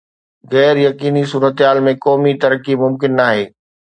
غير يقيني صورتحال ۾ قومي ترقي ممڪن ناهي.